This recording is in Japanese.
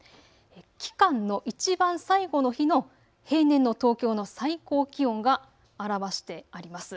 期間のいちばん最後の日の平年の東京の最高気温が表してあります。